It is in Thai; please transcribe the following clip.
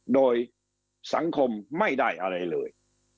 โดยสังคมไม่ได้อะไรเลย